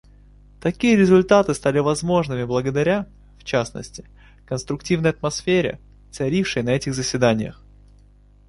Такие результаты стали возможными благодаря, в частности, конструктивной атмосфере, царившей на этих заседаниях.